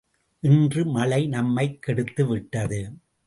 இன்று மழை நம்மைக் கெடுத்துவிட்டது.